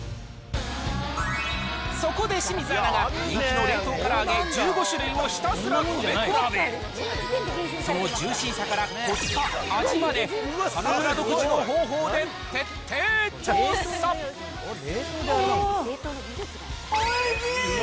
そこで清水アナが、人気の冷凍から揚げ１５種類をひたすら食べ比べ、そのジューシーさから、コスパ、味まで、あー、おいしい。